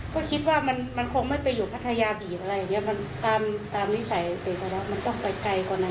ก็คิดว่ามันคงไม่ไปอยู่ภัษยาิตซ์อะไรตามนิสัยเป็นรักว่ามันต้องไปไกลกว่านั้น